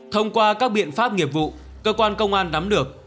thông qua các biện pháp nghiệp vụ cơ quan công an nắm được